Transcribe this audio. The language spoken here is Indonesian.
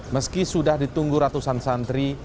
meski sudah ditunggu ratusan santri